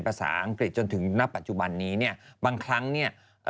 ภาษาอังกฤษจนถึงณปัจจุบันนี้เนี่ยบางครั้งเนี่ยเอ่อ